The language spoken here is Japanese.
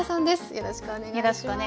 よろしくお願いします。